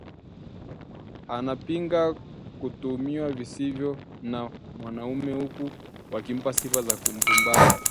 Anapinga kutumiwa visivyo na wanaume huku wakimpa sifa za kumpumbaza